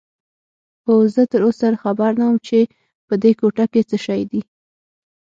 اوه، زه تراوسه خبر نه وم چې په دې کوټه کې څه شی دي.